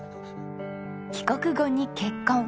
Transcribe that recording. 帰国後に結婚。